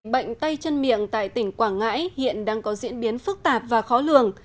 bệnh tay chân miệng tại tỉnh quảng ngãi hiện đang có diễn biến phức tạp và khó lường